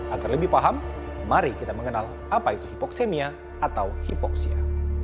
agar lebih paham mari kita mengenal apa itu hipoksemia atau hipoksia